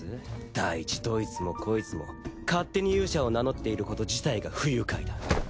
第一どいつもこいつも勝手に勇者を名乗っていること自体が不愉快だ。